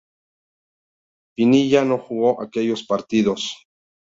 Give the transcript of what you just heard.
Pinilla no jugó aquellos partidos.